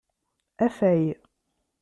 Afay.